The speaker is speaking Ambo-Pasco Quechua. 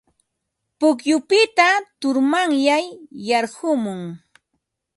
Pukyupita turmanyay yarqumun.